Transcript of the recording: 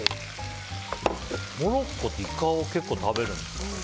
モロッコってイカを結構食べるんですか？